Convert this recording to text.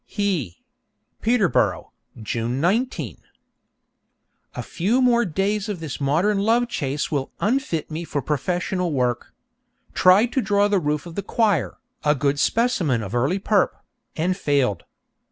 He Peterborough, June 19. A few more days of this modern Love Chase will unfit me for professional work. Tried to draw the roof of the choir, a good specimen of early Perp., and failed.